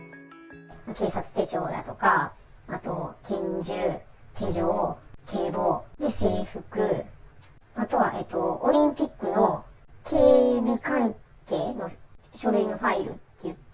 警察手帳だとかあと拳銃、手錠、警棒、制服、あとはオリンピックの警備関係の書類のファイルって言って、